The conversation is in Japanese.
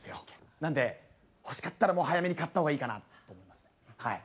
なんで欲しかったらもう早めに買った方がいいかなと思いますねはい。